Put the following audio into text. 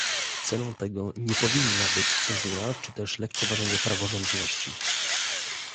Ceną tego nie powinna być cenzura czy też lekceważenie praworządności